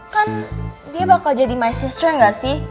kan dia bakal jadi my sister gak sih